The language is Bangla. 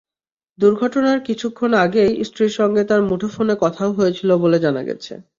দুর্ঘটনার কিছুক্ষণ আগেই স্ত্রীর সঙ্গে তাঁর মুঠোফোনে কথাও হয়েছিল বলে জানা গেছে।